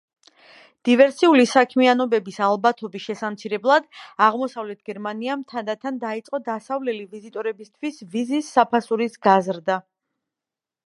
დივერსიული საქმიანობების ალბათობის შესამცირებლად, აღმოსავლეთ გერმანიამ თანდათან დაიწყო დასავლელი ვიზიტორებისთვის ვიზის საფასურის გაზრდა.